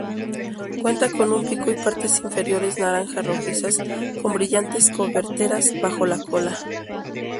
Cuenta con un pico y partes inferiores naranja-rojizas con brillantes coberteras bajo la cola.